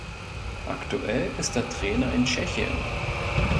Aktuell ist er Trainer in Tschechien.